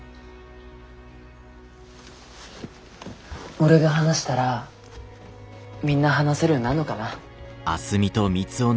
俺が話したらみんな話せるようになんのかな。